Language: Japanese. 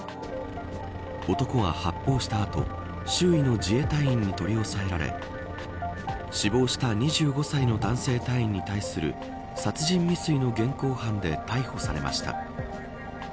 男は、発砲した後周囲の自衛隊員に取り押さえられ死亡した２５歳の男性隊員に対する殺人未遂の現行犯で逮捕されました。